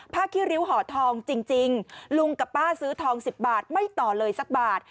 ขี้ริ้วห่อทองจริงลุงกับป้าซื้อทอง๑๐บาทไม่ต่อเลยสักบาท